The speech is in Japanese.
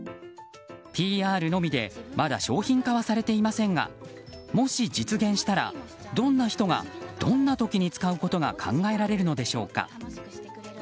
ＰＲのみでまだ商品化はされていませんがもし実現したら、どんな人がどんな時に使うことが考えられるのでしょうか。